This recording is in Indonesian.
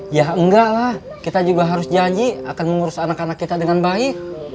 ya enggak lah kita juga harus janji akan mengurus anak anak kita dengan baik